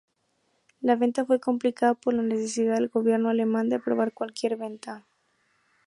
La venta fue complicada por la necesidad del gobierno alemán de aprobar cualquier venta.